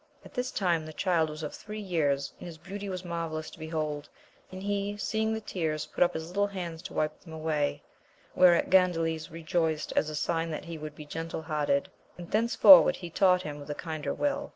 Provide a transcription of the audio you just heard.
At this time the child was of three years, and his beauty was marvellous to behold, and he, seeing the tears, put up his little hands to wipe them away, whereat Gandales rejoiced as a sign that he would be gentle hearted, and thenceforward he taught him with a kinder will.